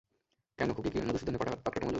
কেন, খুকি কি মধুসূদনের পাটখাটা মজুর?